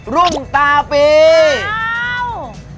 รุ่งตาปี